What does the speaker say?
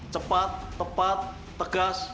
cepat tepat tegas